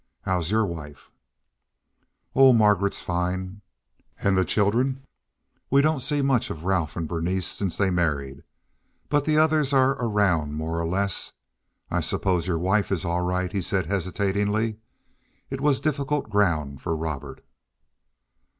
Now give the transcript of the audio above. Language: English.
How's your wife?" "Oh, Margaret's fine." "And the children?" "We don't see much of Ralph and Berenice since they married, but the others are around more or less. I suppose your wife is all right," he said hesitatingly. It was difficult ground for Robert.